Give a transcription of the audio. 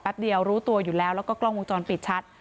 เดียวรู้ตัวอยู่แล้วแล้วก็กล้องวงจรปิดชัด